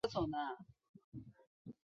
是著名的旅游景点。